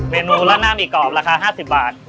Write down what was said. เมนูสุรรถหน้าหมีกรอฟราคา๕๐บาท